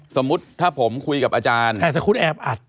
สมมุติถ้าผมคุยกับอาจารย์แต่ถ้าคุณแอบอัด